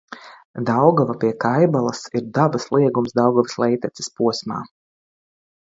Daugava pie Kaibalas ir dabas liegums Daugavas lejteces posmā.